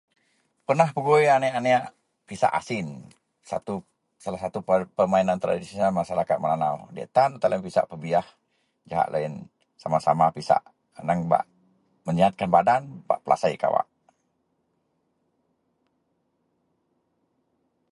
pernah pgui anek-aneak pisak asin, satu salah satu per permainan tradsional Masyarakat Melanau, diyak tan loyien pisak pebiah jahak loyien sama-sama pisak, aneng bak meyihatkan badan bak pelasei kawak